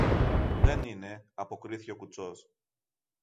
Δεν είναι, αποκρίθηκε ο κουτσός.